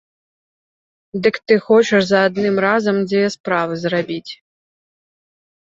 Дык ты хочаш за адным разам дзве справы зрабіць?